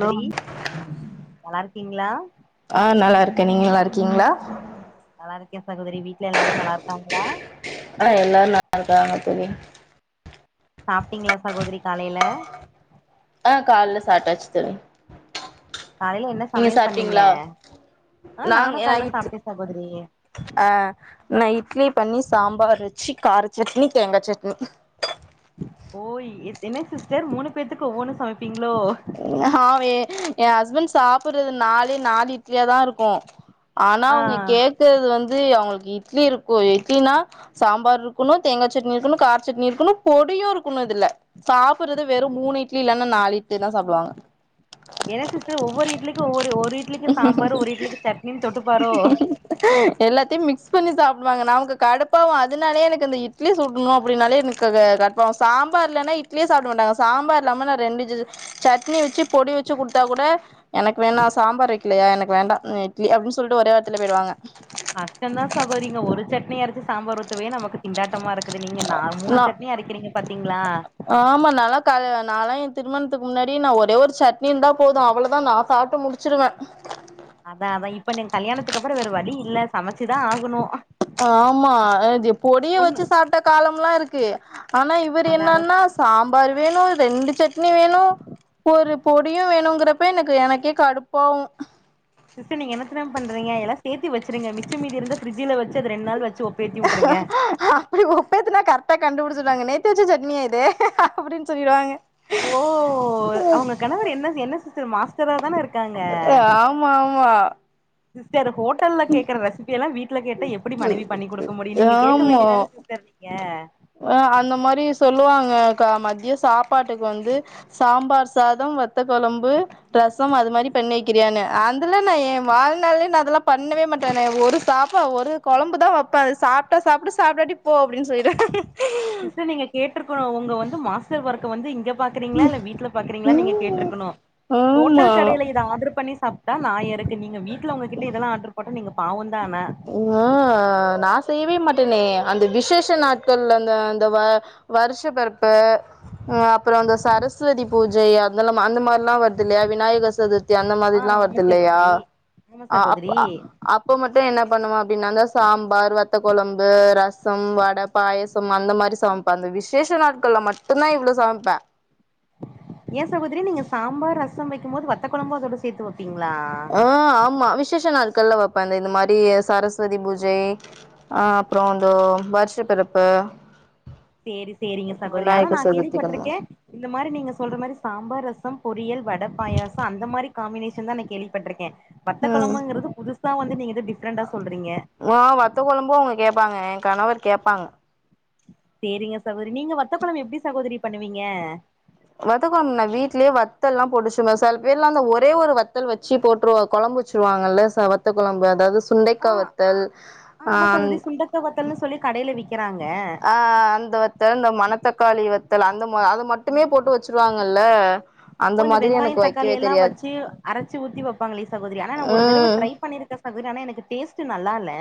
hello நல்லா இருக்கீங்களா த நீங்க நல்லாருக்கீங்களா நல்லாருக்கே சகோதரி வீட்ல எல்லாரு நல்லா ட்டாங்களா லாருக்காங்க தோழி சாப்டீங்ளா சகோதரி காலைல சாப்டாச்சு தோழி காலைல என்ன நீங்க சமையல் பண்ணீங்க சாப்ட்டீங்களா அ நாங்க நானு நா கால்ல இட்லி சாப்ட்டே சகோதரி ட்லி பண்ணி சாம்பார் வச்சி கார சட்னி தேங்கா சட்னி ஓயி என்ன சிஸ்டர் மூணு பேத்துக்கு ஒவ்வொன்னு சமப்பீங் ஹா வே எ ஹஸ்பண்ட் சாப்புறது நாலே நாலு இட்லியா தா இருக்கு ஆனா ஆ அவுங்க கேக்குறது வந்து அவுங்க ட்லி இருக்கு இட்லினா சாம்பார்ருக்கணு தேங்கா சட்னி இருக்கணு கார சட்னி இருக்கணு பொடியு இருக்கணு இதுல சாப்புறது வெறு மூணு இட்லி இல்லன்னா நாலு இ ட்லிதா சாப்டுவாங்க என்ன சிஸ்டர் ஒவ்வொரு இட்லிக்கு ஒவ்வொ ரு ஒரு இட்லிக்கு சாம்பாரு ஒரு இட்லிக்கு சட்னின் தொட்டுப்பாரோ எல்லாத்தையு மிக்ஸ் பண்ணி சாப்டுவாங்க நமக்கு கடுப்பாவு அதுனாலே எனக்கு இந்த இட்லி சுட்ணு அப்டினாலே எனக்குக கடுப்பாவு சாம்பார் இல்லனா இட்லியே சாப்ட மாட்டாங்க சாம்பார் இல்லாம நா ரெண்டு சட்னி வச்சு பொடி வச்சு குடீத்தா கூட எனக்கு வேணா சாம்பார் வக்லயா எனக்கு வேண்டா ம் இட்லி அப்டின் சொல்ட்டு ஒரே வார்த்தலே போய்டுவாங்க கஷ்டந்தா சகோரிங்க ஒரு சட் னி‌ அர ச்சு சாம்பார் ஊத்தவே நமக்கு திண்டாட்டமா இருக்குது நீங்க நா மூணு சட்னி அரக்கிறிங்க ஆமா நல்லா கல நாலா எ திருமணத்துக் முன்னாடியெ நா ஒரே ஒரு சட்னி இந்தா போது அவ்வளதா நா சாப்ட்டு முடுச்சுருவெ அதா அதா இப்பனி கல்யாணதுக்கப்பற வேற வழி இல்ல சமச்சுதா ஆகணு ஆமா அது பொடிய ஒண்ணு வச்சு சாப்ட்ட காலம்லா இருக் கு ஆனா இவர் அதான் அதான் என்னான்னா சாம்பாரு வேணு ரெண்டு சட் னி வேணு ஒரு பொடியு வேணுங்குற ப்ப எனக்கு எனக்கே கடுப்பாவு சிஸ்டர் நீங்க என்ன தெரிம பண்றீங்க எல்லா சேத்தி வச்சுருங்க மிச்ச மீதி இருந்தா ஃபிரிட்ஜில வச் அப்பிடி ஒப்பேத்துனா கரட்டா கண்டுபுடுச்சுட்வாங்க நேத்து வச்ச சட் னி அது அப்டின் சொல்லிடுவாங்க ஓ அவங்க கணவர் என்ன என்ன சிஸ்டர் மாஸ் தான இருக் ஆமா ஆமா சிஸ்டர் ஹோட்டல்ல கேக்குற ரெசிபி எல்லா வீட் வீட்ல கேட்டா எப்டி மனைவி பண்ணி குடுக்க முடியு நீங்க கேக்க ஆமா வேண்டிதான சிஸ்டர் நீங்க அ க மத்ய சாப்பாடுட்க்கு வந்து சாம்பார் சாதோ வத் வத்த கொழம்பு ரசம் அது மாரி பண்ணி க்கிரியானு அந்துல நா எ வாழ்நாளயே நா அதெல்லா பண்ணவே மாட்டனே ஒரு டாப்பா ஒரு கொழம்புதா வெப்ப சாப்டா சாப்புடு சாப்டாடி போ அப்டினு சொல்லிடுவ சிஸ்டர் நீங்க கேட்ருக்குணு உங்க வந் து மாஸ்டர் ஒரக்க வந்து இங்கப் பாக்குறீங்களா இல்ல வீட்ல பாக்குறீங்களா நீங்க ம் கேட்ருக்கணு ஆமா ஹோட்டல் கடைல இத ஆடரு பண்ணி சாப் அதா நா இருக்கு நீங்க வீட் ட்லா உங்க கிட்ட இதெல்லா ஆடரு போட்டா நீங்கப் ம்னா நா செய்யவே மாட் ட்டுனே அந்த விசேஷ நாட்கள் அந்த அந்த வ வருஷ பெறப்ப அப்பறோ அந்த சரஸ்வதி பூஜை அதெல்லாம் அந்த மாரிலா வருது இல்லையா விநாயக சதுர்த் தி அந்த ஆ மாதிரிலா ஆமா வருது இல்லையா சகோதரி ஆமா அ அப் சகோதரி அ அப் என்ன பண்ணுவா அப்டின்னாதா சாபார் வத்த கொழம்பு ரசம் வட பாயசம் அந்த மாரி சமப்ப அந்த விசேச நாட்கள்ல மட்டுந்தா இவ்வளோ சமப்ப ஏ சகோதரி நீங்க சாபார் ரசம் வைக்கும் போது வத்த கொழம்பு அதோட சேத்து வெப் ஆ ஆம்மா விசேச நாள் கள்ல வெப்ப அந்த இந்த மாரி சரஸ்வதி பூஜை ஆ அப்பறோ இந்த வருஷப்பிறப்பு சேரி சேரிங்க சகோதரி ஆனா நா சதுர்த்திக்குமா கேள்விப்பட்டுருக இந்த மாரி நீங்க சொல்ற மாரி சாபார் ரசம் பொரியல் வட பாயசோ அந்த மாரி காமினேஷ் க்ஷன்தா நா கேள்வி பட்டுருக்க வத்த கொழம்புகுறது புதுஸ் சா வந்து நீங்க எதோ டிஃப்ரெண்டா சொல்றீங்க வா வத்த கொழும்பு அவங்க கேப் ப்பாங்க எ கணவர் கேப்பாங் சேரிங்க சகோதரி நீங்க வத்த கொழம்பு எப்டி சகோதரி பண்ணுவீங்க வத்த கொழம்பு நா வீட்லயே வத்தல்லாம் போட்டு சும்மா சில பேர்லாம் அந்த ஒரே ஒரு வத்தல் வச்சு போட்ருவா கொழம்பு வச்சுருவாங்கள வத்த கொழம்பு அதாவது சுண்டைகா ஆ வத்தல் ஆ ஆமா அந் சகோதரி சுண்டக்கா வத்தல்னு சொல்லி கடையில விக்கிறாங்க ஆ அந்த வத்த அந்த மண தக்காளி இவத் வத்தலு அந்த மா அத மட்டுமே போட்டு வெச்சுருவாங்கள ஓ இந்த வெங்காயந் தக்காளியெல்லா வச்சு அரச்சி ஊத்தி வெப்பாங்களே சகோதரி ஆனா ஒரு தடவ ம் ட்ரை பணிருக்கஸ் அதுனால எனக்கு டேஸ்ட்டு நல்லால்ல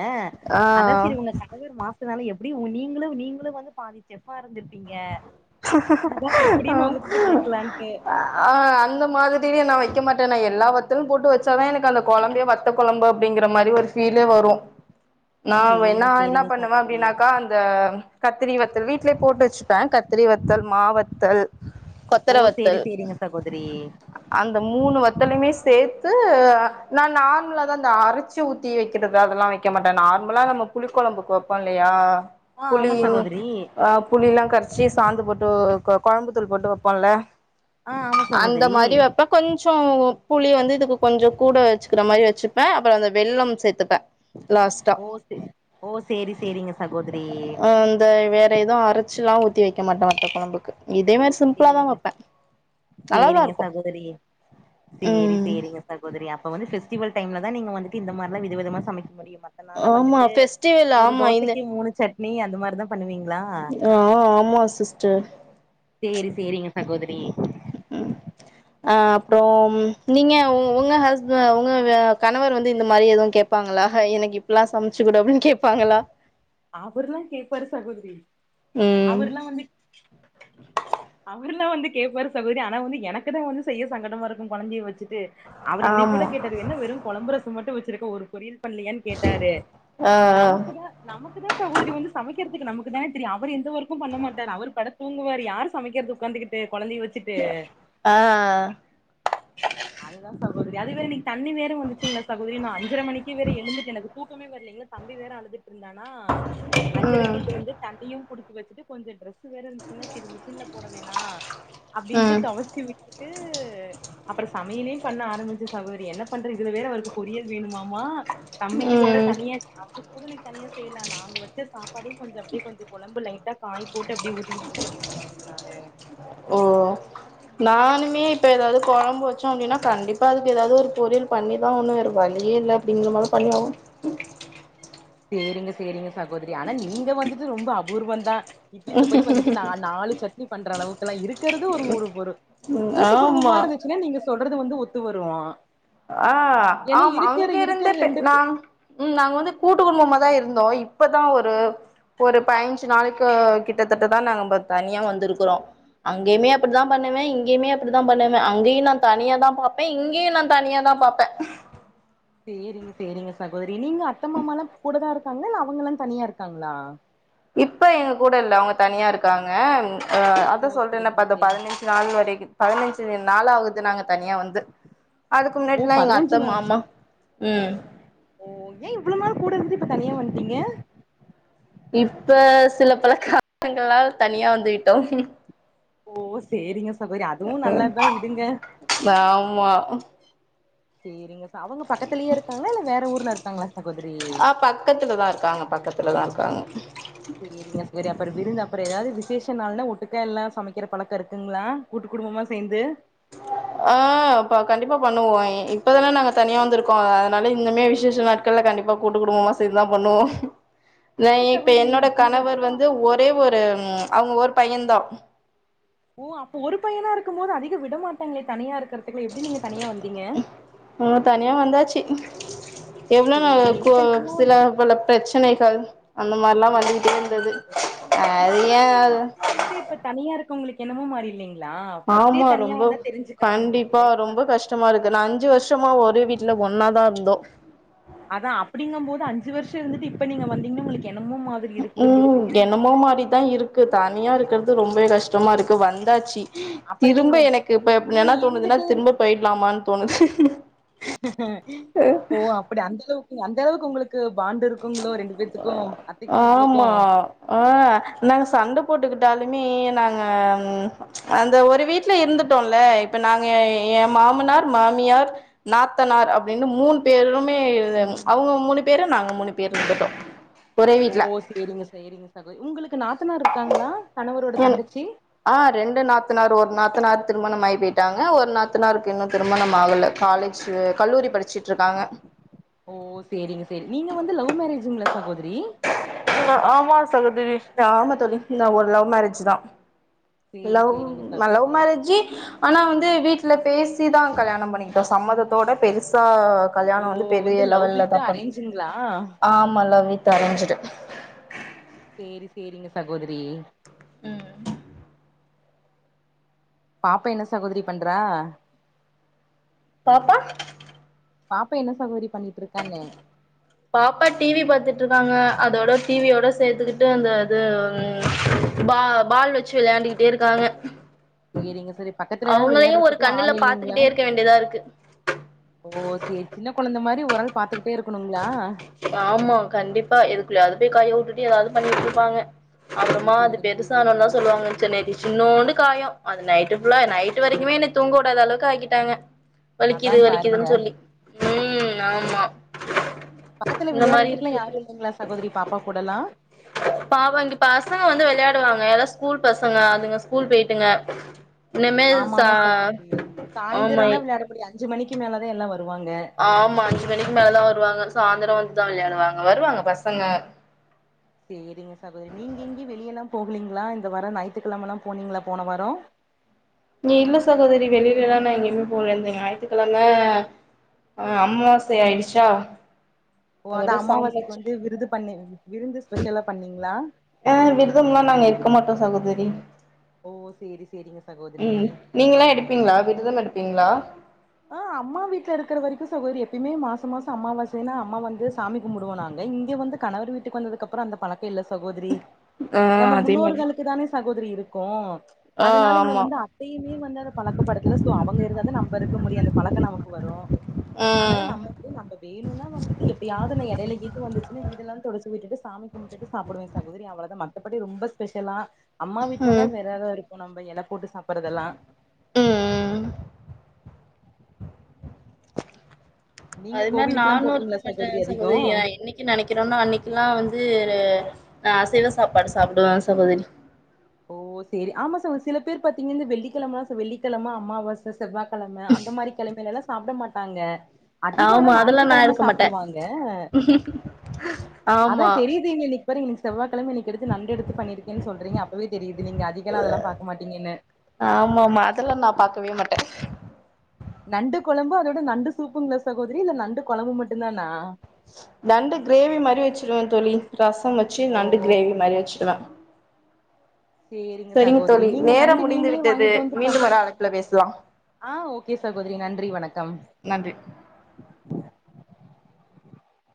ஆ அ அத செரி உங்க தலைவர் மாசுனால எப் எப்டி உ நீங்ளு நீங்ளு வந்து பாதி செஃப்ஃபா இருந்திருந் திக அதா எப்டின்னு உங்ககிட்ட கேக்கலான்ட்டு ஆ அந்த மாதிரியே நா வைக்க மாட்ட நா எல்லா வத்தலும் போட்டு வச்சாதா எனக்கு அந்த கொழம்பே வத்த கொழம்பு அப்டிங்ற மாரி ஒரு ஃபீலே வரும் நா சேரிங்க வேணா என்ன சேரிங்க பண்ணுவ சகோதரி அப்டினாக்கா அந்த கத்திரி வத்தல் வீட்லே போட்டு வச்சுப் பே கத்தரி வத்தல் மா வத்தல் ஓ கொத்தர சேரி வத்தல் சேரிங்க சகோதரி அந்த மூணு வத் வத்தலிமே சேத்து நா நர்மலா தா இந்த அரச்சி ஊத்தி வைக்கிறது அதெல்லா வைக்க மாட்ட நார்மலா நம்ம புளி கொழம்புக்கு வைப்போ இல்லையா ஆ ஆமா புளியு சகோதரி அ புளிலங் சி சாந்து பொட்டு கொழம்புதூள் போட்டு வப்போல ஆ ஆமா அந்த சகோதரி மாரி வைப்ப கொஞ் சோ புளி வந்து இதுக்கு கொஞ்சோ கூட வச்சுகிற மாரி வச்சுப்ப அப்றோ அந்த வெல்லம் சேத்துப்ப லாஸ்டா ஓ சே ஓ சேரி சேரிங்க சகோதரி அந்தை வேற எதுவு அரச்சிலா ஊத் வைக்க மாட்டோ வத்த கொழம்புக்கு தா செரிங்க வைப்பே நல்லாதா செரிங்க இருக்கு சகோதரியே செரி ம் செரிங்க சகோதரி அப் அப்ப வந்து ஃபெஸ்டிவல் டைம்ல தா நீங்க வந்துட்டு இந்த மாரிலா விதமா விதமா சமைக்க முடியும் மத்த நாள்ல ஆமா வந்துட்டு ஃபெஸ்டிவல் ஒரு ஆமா இந்த தோசைக்கு மூணு சட் நீங்க அந்த மாரி தா பண்ணுவீங் ஆ ஆமா சிஸ்டர் செரி செரிங் எ சகோதரி அ அப்றோ நீங்க உ உங்க ஹஸ்ப உங்க வ கணவர் வந்து இந்த மாரி எதுவு கேட்பாங்களா ஹய் எனக் இப்லா சமைச்சுக்குடு அப்டின்னு கேட்பாங்களா அவருலா கேப்பாரு சகோதரி ம் அவருலா வந்து அவருலா வந்து கேப்பாரு சகோதரி ஆனா வந்து எனக்கு தா வந்து செய்ய சங்கடமா இருக்கும் கொழந்தைய வச்சுட்டு அவரு இன்னக் கூட ஆமா கேட்டாரு என்ன வெறும் கொழம்பு ரசோ மட்டும் வச் இவருக்கு ஒரு பொறியல் பண்லியன் கேட்டாரு நமக்கு தா ஆ நமக்கு தா சகோதரி வந்து சமைக்றதுக்கு நமக்கு தானே தெரியு அவரு எந்த ஓர்க்கும் பண்ண மாட்டாரு அவரு படுத் தூங்குவாரு யாரு சமைக்றது உட்காந்துகிட்டு வ ஆ அது தா சகோதரி அதுவே இன்னிக் தண்ணி வேரு வந்துச்சுங்ளா சகோதரி நா அஞ்சர மணிக்கு வேற எழுந்துட்டு எனக்கு தூக் தூக்கமே வர்ல இங்க தம்பி வேற அழுதுட்டு இருந்தானா ம் அஞ்சரக்கு எழுந்து தண்ணியும் புடுச் வச்சுட்டு கொஞ்ச ட்ரஸ் வேற இருந்துச்சுங்க சரி மிஷின்ல போட வேணா அப்டின்ட்டு ம் தொவச்சி விட்டுட்டு அப்புறோ சமையலே பண்ண ஆரம்பிச்சு சகோதரி என்ன பண்ற இதுல வேற அவருக்கு பொரியல் வேணுமாமா தம்பிக்கு வேற ம் தனியா குரனக்கு தனியா செய்யலா நாங்க வச்ச சாப்பாடு கொஞ்ச அப்டியே கொஞ்ச கொழம்பு லைட்டா காய் போட்டு அப்டியே ஊட்டி விட்டே சகோதரி அவனுக்கு நானு ஓ நானுமே இப்ப ஏதாவது கொழம்பு வச்சோ அப்டின்னா கண்டிப்பா அதுக்கு ஏதாவது ஒரு பொரியல் பண்ணிதா ஆவணு வேற வழியே இல்ல அப்டிங்கற மாரி பண்ணிஆவனு சேரிங்க சேரிங்க சகோதரி ஆனா நீங்க வந்துட்டு ரொம்ப அபூர்வம் தா இட்லிக்கு போய் வந்துட்டு நா நாலு சட்னி பண்ற அளவு லனா இருக் இருக்குறது ஒரு மூனுபொரு ஒரு ம் கூட்டு குடும்பமா ஆமா இருந்துச்சுன்ன நீங்க சொல்ரது வந்து ஒத்து வருவோ ஆ ஆமா அங்க இருக்கிற இருந்துட் ரெண்டு நா ம் நாங்க வந்து கூட்டு குடும்பமா தா இருந்தோ இப்பதா ஒரு ஒரு பயிஞ்சு நாளைளுக்கு கிட்டத்தட்டதா நாங்க தனியா வந்திருக்குகோ அங்கயுமே அப்டிதா பண்ணுவே இங்கேயுமே அப்டித்தா பண்ணுவே அங்கேயு நா தனியா தா பாப்பே இங்கேயு நா தனியாதா பாப்பே சேரிங்க சேரிங்க சகோதரி நீங்க அத்தமாமாலா கூட தா இருக்காங்களா இல்ல அவங்க எல்லா தனியா இருக்காங்களா இப்ப எங்க கூட இல்ல அவங்க தனியா இருக்காங்க அ ஓ அதா சொல்றேன்னப்ப சேரிங்க இந்த சேரிங்க பதினஞ்சு நாள் வரைக்கு பதினஞ்சு நாலாவது நாங்க தனியா வந்து அதுக்கு ஓ முன்னாடிலா எங்க அத்த பதினஞ்சு நாள் மாமா ம் ஓ ஏன் இவ்ளோ நாள் கூட இருந்துட்டு இப்ப தனியா வந்துட்டீங்க இப்ப சில பல காரணங்களால் தனியா வந்துவிட்டோ ஓ சேரிங்க சகோதரி அதுவு க்ஹ நல்லதுதா விடுங்க ஆமா சேரிங்க அவங்க பக்கத்துலேயே இருக்காங்களா இல்ல வேற ஊர்ல இருக்காங்களா சகோதரி ஆ பக்கத்துலதா இருக்காங்க பக்கத்துலதா [unintelligible] சேரிங்க சகோரி அப்புற விருந்தா அப்புறோ ஏதாவது விசேஷ நாள்னா ஒட்டுக்கா எல்லா சமைக்கிற பழக்கோ இருக்குங்களா கூட்டு குடும்பமா சேர்ந்து ஆ ப கண்டிப்பா பண்ணுவோ இப்பதனே நாங்க தனியா வந்திருக்கோ அதனால இந்தனமே விசேஷ நாட்கள்ல கண்டிப்பா கூட்டு குடும்பமா சேர்ந்துதா பண்ணுவோ எப்டி னஏ இப்ப சகோதரி நீங்க என்னோட இத்தன கணவர் வருஷோ வந்து ஒரே ஒரு அவங்க ஒர்க் பயந்தோ ஓ அப்ப ஒரு பையனா இருக்கு போதுஅதிக விட மாட்டாங்களே தனியா இருக்க ம் தனியா வந்தாச்சு எவ்ளோ நாள் சேரிங்க இருக்கு இத்தன் சில பல பிரச்சனை டல் ஓ செரிங்க சகோதரி இத்த அது ஏ நாள் நீங்க அது ஒட்டுக்கா இருந்துட்டு இப்ப தனியா இருக்க உங்களுக்கு என்னமோ மாறில்லைங்க ஆமா ரொம்ப உங்களுக்கு கண்டிப்பா இப்ப ரொம்ப கஷ்டமா இருக்கு நான் அஞ்சு வருஷமா ஒரே வீட்டு இல்ல ஒன்னாதான் இருந்தோம் அதான் அப்படிங்கும் போது அஞ்சு வருஷம் இருந்துட்டு இப்ப நீங்க வந்தீங்கன்னா உங்களுக்கு என்னமோ மாதிரி இருக்கு உங்களுக்கு உம் ஏன்னா என்னமோ நீயு மாதிரிதான் கொழந்தைங்களு இருக்கு போக ஒரு தனியா மாரி இருக்கு இருக்கிறது ரொம்பவே சகோதரி கஷ்டமா இருக்கு வந்தாச்சு அப்புறோ நீங்க திரும்ப எனக்கு இப்பப்ப நீங்க என்ன தோணுதுன்னா இருந்துட்டே திரும்ப போயிடலாமான்னு தோணுது ஓ அப்படி அந்த அளவு அந்த அளவுக்கு உங்களுக்கு பாண்டு இருக்குங்களோ ரெண்டு பேத்தக்கும் அத்தைக்கும் ஆமா உங்களுக்கும் ஆ நாங்க சண்ட போட்டுக்கிட்டாலுமே நாங்க அந்த ஒரு வீட்டு இருந்துட்டோம்ல நாங்க என் மாமானார் மாமியார் நாத்தனார் அப்படின்னு மூணு பேருமே அவங்க மூணு பேரும் நாங்க மூணு பேர் பெருக்கத [unintelligible] ஓ சரிங்க சரிங்க சகோதரி உங்களுக்கு நாத்த இருக்காங்களா ப என் ஆஹ் ரெண்டு நாத்தனார் ஒரு நாத்து நாத்தனாரு திருமணம் ஆகி போயிட்டாங்க ஒரு நாத்தனாருக்கு இன்னும் திருமணம் ஆகல காலேஜ் கல்லூரி படிச்சுட்டு இருக்காங்க ஓ சரிங்க சரி நீங்க வந்து லவ் மேரேஜுங்களா சகோதரி ஆமா சகோதரி ஆஹ சொல்லி இந்தான் ஒரு லவ் மேரேஜ் தான் சேரி லவ் சேரிங்க லவ் சகோதரி மேரேஜு ஆனா வந்து வீட்டு இல பேசி தான் கல்யாணம் பண்ணிக்கிட்டோம் சம்மதத்தோட பெருசா ஓ கல்யாணம் வந்து பெரிய லவ் லெவல்ல வித் தான் பண்ண அரேஞ்சுங்களா ஆமா லவவி தரஞ்சிடும் சேரி சேரிங்க சகோதரி உம் பாப்பா என்ன சகோதரி பண்றா பாப்பா பாப்பா என்ன சாரி பாப்பா டிவி பாத்துட்டு இரு இருக்காங்க அதோட டிவியோட சேர்த்துக்கிட்டு அந்த அது பால் வச்சு விளையாண்டுக்கிட்டே இருக்காங்க சரிங்க சரி பக்கத்துலல்லாம் அவங்களையு ஒரு விளையாடுறதுக்குலாம் கண்ணுல ஆள் இல்லைங்களா பாத்துக்கிட்டே இருக்க வேண்டியதா இருக்கு ஓ சரி சின்ன குழந்தை மாதிரி ஒரால் பார்த்துக்கிட்டு ஆமா கண்டிப்பா எதுக்குள்ளைய அது போய் கையவுட் ல்ல ஏதாவது பண்ணிட்டு இருப்பாங்க அப்புறமா அது சேரி பெதுசா ஆனனு தான் சொல்லுவாங்க ந்த நைட் சின்னோண்டு காயு அது நைட்டு ஃபுல்லா நைட் வரைக்குமே என்ன தூங்கூடாத அளவுக்கு ஆகிட்டாங்க அதா வலிக்குது பாருங்க வலிக்குதுன்னு சொல்லி உம் ஆமா பக்கத்துல இந்த மாரி விளையாடுறதுக்குல்லா யாரு இருக்குறப்ப இல்லைங்களா சகோதரி பாப்பா கூடலா பாவோ இங்க பசங்க வந்து விளையாடுவாங்க எலா ஸ்கூல் பசங்க அதுங்க ஸ்கூல் போய்ட்டுங்க இனிமேல் ஆமா ச ஆமா சகோதரி ஆமா சாய்ந்தரந்தா விளையாட முடியு அஞ்சு மணிக்கு மேல தா எல்லா வரு ஆமா அஞ்சு மணிக்கு மேல வருவாங்க சாந்திரோ வந்துதா விளையாணுவாங்க வருவாங்க பசங்க சேரிங்க சகோதரி நீங்க எங்கி வெளிய எல்லா போகலீங்களா இந்த வாரோ ஞாய்த்துக்கிழமல்லா போனீங்களா போன வாரோ நீ இல்ல சகோதரி வெளியில எல்லா நா எங்கேயுமே போல ஞாயித்துக்கெழம அ அமாவாசை ஆயிடுச்சா ஓ அத அதோட சாமி அமாவாசைக்கு வச்சு வந்து விருது பண்ணி விருந்து ஸ்பெஷலா பண்ணீங்களா ஆ விருதம்ல்லா நாங்க இருக்க மாட்டோ சகோதரி ஓ சேரி சேரிங்க சகோதரி ம் நீங்கல்லா எடுப்பீங்களா விருதம் எடுப் ப்பிங்ளா ஆ அம்மா வீட்ல இருக்கிற வரைக்கு சகோதரி எப்பயுமே மாச மாசம் அம்மாாவாசைன்னா அம்மா வந்து சாமிக்குமுடுவோனாங்க இங்க வந்து கணவர் வீட்டுக்கு வந்ததுக்குப்புறோ அந்த பழக் ல்ல சகோதரி ஆ நம்ம அதே மாரி முன்னோர்களுக்கு தானே சகோதரி இருக் கோவோ ஆ அதனால இங்க ஆமா வந்து அத்தையுமே வந்து அத பழக்கப்படுதுல சோ அவங்க இருந்தாத நம்ம அது முடியு அந்த பழக்கோ நமக்கு வரு அதனால ம் நமக்கு நம்ம வேணுனா வந்துட் எப்பயாது நா எடைல இதுவந்துச்சுனு விடுலா தொடச்சிவிட்டுட் சாமி கும்புடுட்டு சாப்டுவே சகோதரி அவ பாத்தா மத்தபடி ரொம்ப ஸ்பெஷலா அம்மா வீட்டுல தா ம் வேற ஏதா இருக்கு நம்ப எழப் போட்டு சாப்பறதெல்லா ம் நீங்க அது மாரி கோவிலுக்குல்லா நானு இருக்க போவீங்களா மாட்டே அதிகோ சகோதரி என்னைக்கு நெனைக்கிறேன்னோ அன்னைக்குலா வந்து அ நா அசைவ சாப்பாடு சாப்டுவே சகோதரி ஓ செரி ஆமா சகோரி சில பேர் பாத்தீங்கன்ன இந்த வெள்ளிக்கெழமல்லா வெள்ளிக்கெழம அமாவாச செவ்வாகெழம அந்தமாரி கெழமைல்லா சாப்ட மாட்டாங்க அதிக அனா ஆமா அதெல்லா நா ஞாயித்துக்கெழம இருக்க மாட்டே சாப்டுவாங்க அதா ஆமா தெரியுதுங்க இனைக் ஒரிங்நிம்ஷ் செவ்வா கெழம இனைக் எடுத்து நண்டு எடுத்து பண்ணிருக்கேன் சொல்றீங்க ப்பவே தெரிது ஆமா ஆமா அதெல்லா நா பாக்கவே மாட் நண்டு கொழம்பு அதோட நண்டு சூப்புங்களா சகோதரி இல்ல நண்டு கொழம்பு மட்டும்தானா நண்டு கிரேவி மாரி வச்சிருவே தோழி ரசம் வச்சு ஓ நண்டு கிரேவி மாரி வச்சுடுவே சேரிங்க சரிங்க சகோதரி தோழி நீங்க நேரம் நண்டு முடிந்து நீங்களே விட்டது வாங்கிட்டு வந்து பன் மீண்டும் ஒரு அழைப்புல பேசலாம் ஆ ஓகே சகோதரி நன்றி வணக்கம் நன்றி